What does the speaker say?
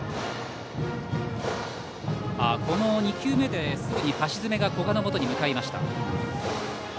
２球目で橋爪が古賀のもとに向かいました。